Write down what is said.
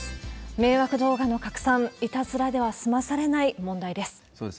迷惑動画の拡散、いたずらでは済まされない問題です。